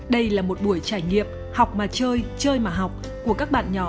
đây là một buổi trải nghiệm học mà chơi chơi mà học của các bạn nhỏ